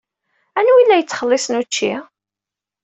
Anwa ay la yettxelliṣen učči?